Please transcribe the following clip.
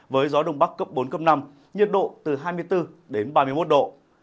với gió đông bắc cấp bốn cấp năm nhiệt độ từ hai mươi bốn đến ba mươi một độ